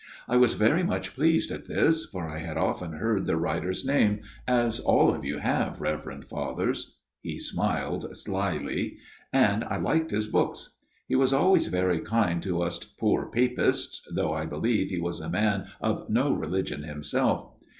I was very much pleased at this, for I had often heard the writer's name, as all of you have, Reverend Fathers " FATHER MADDOX'S TALE 219 he smiled slily " and I liked his books. He was always very kind to us poor Papists, though I believe he was a man of no religion himself.